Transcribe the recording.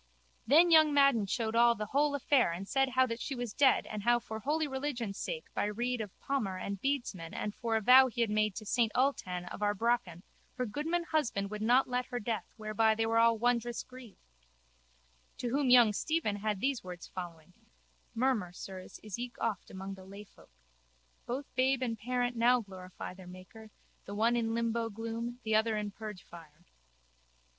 Then young Madden showed all the whole affair and said how that she was dead and how for holy religion sake by rede of palmer and bedesman and for a vow he had made to Saint Ultan of Arbraccan her goodman husband would not let her death whereby they were all wondrous grieved. To whom young Stephen had these words following: Murmur, sirs, is eke oft among lay folk. Both babe and parent now glorify their Maker, the one in limbo gloom, the other in purgefire.